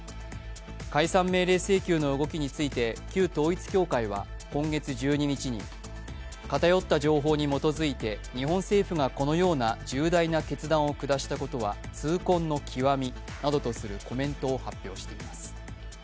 解散命令請求の動きについて旧統一教会は今月１２日に偏った情報に基づいて日本政府がこのような重大な決断を下したことは痛恨の極みなどとするコメントを発表しています。